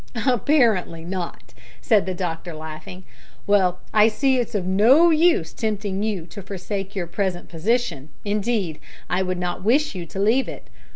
"Apparently not," said the doctor, laughing. "Well, I see it's of no use tempting you to forsake your present position indeed, I would not wish you to leave it.